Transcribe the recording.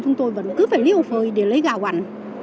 chúng tôi vẫn cứ phải liêu phơi để lấy gạo ảnh